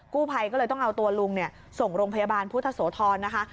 กู้ภัยก็เลยต้องเอาตัวลุงส่งโรงพยาบาลพุทธโสธรนะคะ